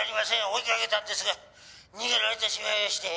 追いかけたんですが逃げられてしまいまして」